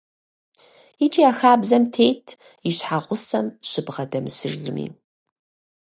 Икӏи а хабзэм тетт и щхьэгъусэм щыбгъэдэмысыжми.